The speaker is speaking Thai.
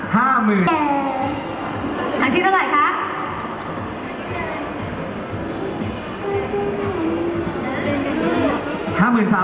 หันที่เท่าไหร่คะ